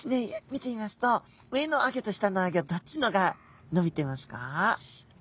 見てみますと上のあギョと下のあギョどっちのがのびてますか？